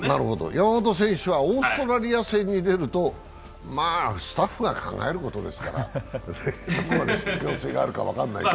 山本選手はオーストラリア戦に出ると、まぁ、スタッフが考えることですから、どこまで信ぴょう性があるのか分からないけど。